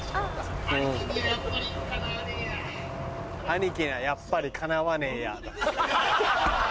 兄貴にはやっぱりかなわねえや。